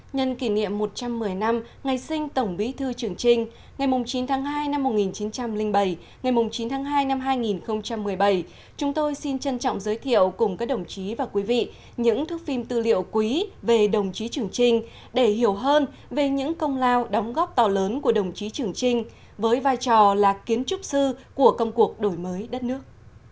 nhân kỷ niệm một trăm một mươi năm ngày sinh tổng bí thư trường trinh ngày chín tháng hai năm một nghìn chín trăm linh bảy ngày chín tháng hai năm hai nghìn một mươi bảy chúng tôi xin trân trọng giới thiệu cùng các đồng chí và quý vị những thức phim tư liệu quý về đồng chí trường trinh để hiểu hơn về những công lao đóng góp to lớn của đồng chí trường trinh với vai trò là kiến trúc sư của công cuộc đổi mới đất nước